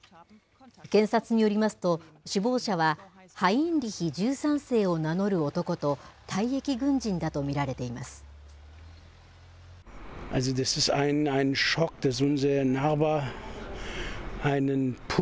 検察によりますと、首謀者はハインリヒ１３世を名乗る男と、退役軍人だと見られています。